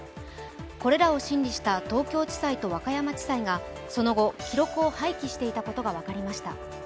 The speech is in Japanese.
これらを審理した東京地裁と和歌山地裁が、その後、記録を廃棄していたことが分かりました。